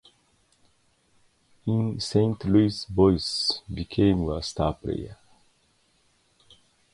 In Saint Louis Boyes became a star player.